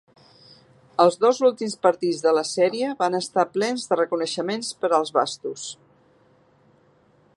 Els dos últims partits de la sèrie van estar plens de reconeixements per als Bastos.